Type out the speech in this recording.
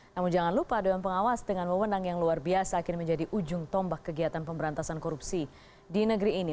namun jangan lupa dewan pengawas dengan wewenang yang luar biasa kini menjadi ujung tombak kegiatan pemberantasan korupsi di negeri ini